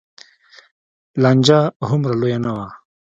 لانجه هومره لویه نه وه.